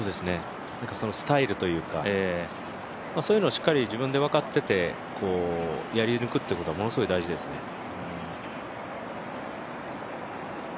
スタイルというか、そういうのをしっかり自分で分かっていてやり抜くということはものすごい大事ですね。